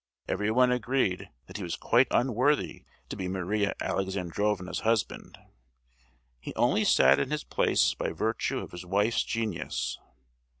Everyone agreed that he was quite unworthy to be Maria Alexandrovna's husband. He only sat in his place by virtue of his wife's genius.